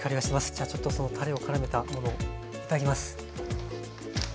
じゃあちょっとそのたれをからめたものを頂きます。